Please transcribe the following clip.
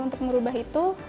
untuk merubah itu